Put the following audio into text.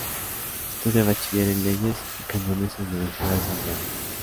Estudia bachiller en leyes y cánones en la Universidad de Santiago.